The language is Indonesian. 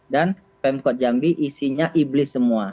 dan pemkot jambi isinya iblis semua